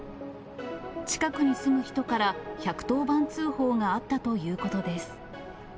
近くに住む人から１１０番通報があったということです。